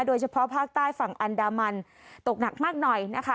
โดยเฉพาะภาคใต้ฝั่งอันดามันตกหนักมากหน่อยนะคะ